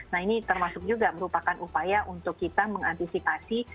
nah ini termasuk juga merupakan upaya untuk kita mengantisipasi